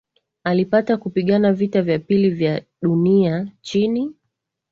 Alipata kupigana vita ya pili ya dunia chini